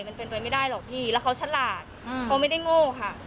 มันเป็นไปไม่ได้หรอกพี่แล้วเขาฉลาดเขาไม่ได้โง่ค่ะ